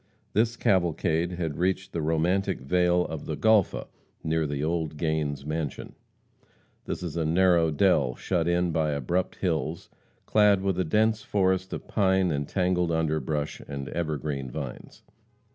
This cavalcade had reached the romantic vale of the Golpha, near the old Gains' mansion. This is a narrow dell, shut in by abrupt hills, clad with a dense forest of pine and tangled underbrush and evergreen vines.